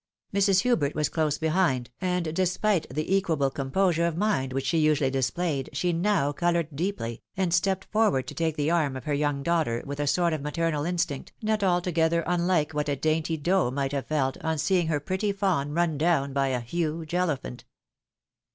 Mrs. Hubert was close behind, and despite the equable composure of mind which she usually displayed, she now coloured deeply, and stepped forward to take the arm of her young daughter, with a sort of maternal instinct, not altogether unlike what a dainty doe might ha^vfe felt, on seeing her pretty fawn run down by a huge elephant.